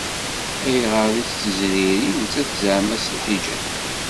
Ayɣer i tettezriri nettat zeɛma s lḥiǧab?